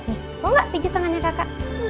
mau gak pijat tangannya kakak